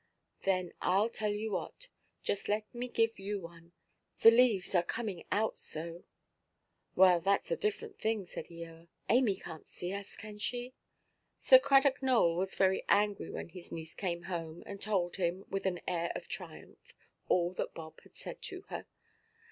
"Then, Iʼll tell you what. Just let me give you one. The leaves are coming out so." "Well, thatʼs a different thing," said Eoa. "Amy canʼt see us, can she?" Sir Cradock Nowell was very angry when his niece came home, and told him, with an air of triumph, all that Bob had said to her.